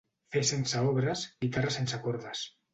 Fe sense obres, guitarra sense cordes.